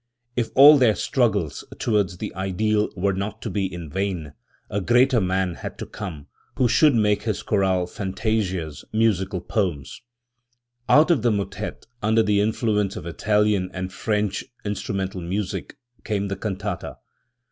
If all their struggles towards the ideal were not to be in vain, a greater man had to come, who should make his chorale fantasias musical poems. Out of the motet, under the influence of Italian and French instrumental music, came the cantata.